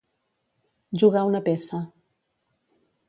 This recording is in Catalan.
Jugar una peça.